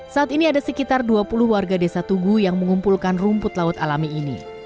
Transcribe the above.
saat ini ada sekitar dua puluh warga desa tugu yang mengumpulkan rumput laut alami ini